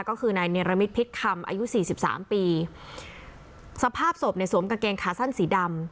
ก็คือนายเนรมิตพิษคำอายุสี่สิบสามปีสภาพศพเนี่ยสวมกางเกงขาสั้นสีดำ